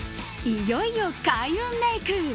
いよいよ開運メイク。